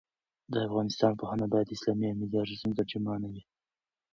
د افغانستان پوهنه باید د اسلامي او ملي ارزښتونو ترجمانه وي.